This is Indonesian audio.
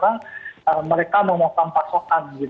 karena mereka memotong pasokan